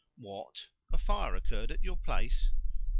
"What? A fire occurred at your place?"